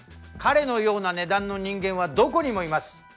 彼のような値段の人間はどこにもいます。